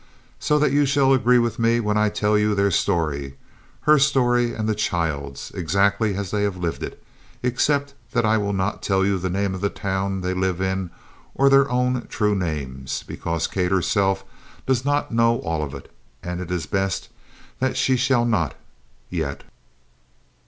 So that you shall agree with me I will tell you their story, her story and the child's, exactly as they have lived it, except that I will not tell you the name of the town they live in or their own true names, because Kate herself does not know all of it, and it is best that she shall not yet.